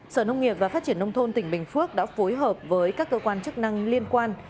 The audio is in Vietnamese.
sở nông nghiệp và phát triển nông thôn tỉnh bình phước đã phối hợp với các cơ quan chức năng liên quan